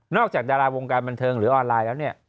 จากดาราวงการบันเทิงหรือออนไลน์แล้วเนี่ย